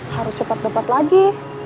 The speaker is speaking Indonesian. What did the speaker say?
harus cepat dapat lagi